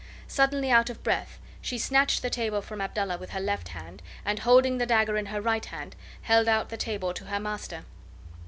Suddenly, out of breath, she snatched the tabor from Abdallah with her left hand, and, holding the dagger in her right hand, held out the tabor to her master.